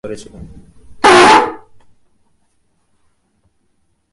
কোনোকিছু না ভেবেই ধরেছিলাম।